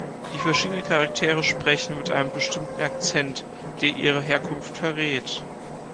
Die verschiedenen Charaktere sprechen mit einem bestimmten Akzent, der ihre Herkunft verrät.